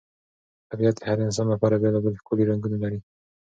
طبیعت د هر انسان لپاره بېلابېل ښکلي رنګونه لري.